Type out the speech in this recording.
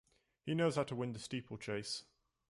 He knows how to win the steeplechase.